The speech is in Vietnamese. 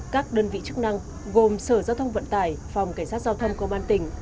các đơn vị chức năng gồm sở giao thông vận tải phòng cảnh sát giao thông công an tỉnh